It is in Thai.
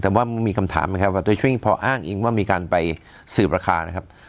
แต่ว่ามีคำถามนะครับว่าโดยคริ่งพออ้างอิงว่ามีการไปสืบราคานะครับ